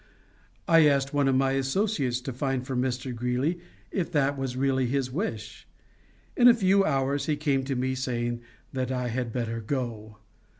I asked one of my associates to find from Mr. Greeley if that was really his wish. In a few hours he came to me saying that I had better go.